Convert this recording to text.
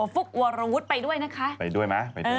ฟุกวัลวุธไปด้วยนะคะไปด้วยมั้ยไปด้วยนะ